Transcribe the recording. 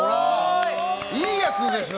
いいやつでしょ？